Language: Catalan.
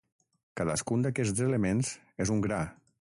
Cadascun d'aquests elements és un gra.